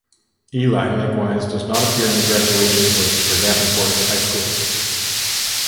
Ely likewise does not appear in the graduations lists for Davenport High School.